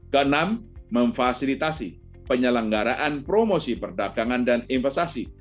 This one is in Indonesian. keenam memfasilitasi penyelenggaraan promosi perdagangan dan investasi